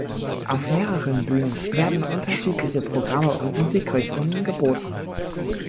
Auf mehreren Bühnen werden unterschiedliche Programme und Musikrichtungen geboten.